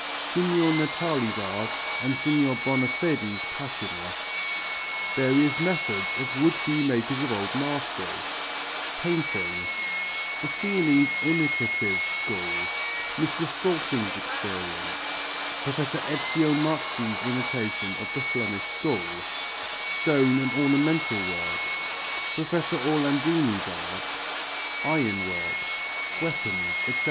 Signor Natali's art and Signor Bonafedi's patina Various methods of would be makers of old masters Painting The Sienese imitative school Mr. Salting's experience Professor Ezio Marzi's imitation of the Flemish school Stone and ornamental work Professor Orlandini's art Iron work Weapons, etc.